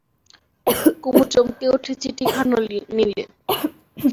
কুমু চমকে উঠে চিঠিখানা নিলে।